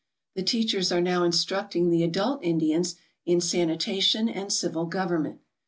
The teachers are now instructing the adult Indians in sanita tion and civil government.